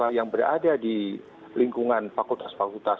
saya ingin memberikan pembahasan yang saya inginkan dari kementerian kesehatan